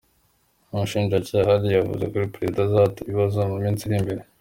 Umushinjacyaha Lee yavuze ko perezida azahatwa ibibazo mu minsi iri imbere.